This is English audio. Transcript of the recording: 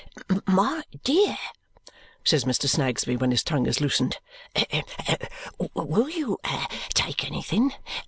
"My dear," says Mr. Snagsby when his tongue is loosened, "will you take anything?